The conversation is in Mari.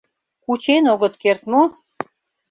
— Кучен огыт керт мо?